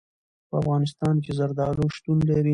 په افغانستان کې زردالو شتون لري.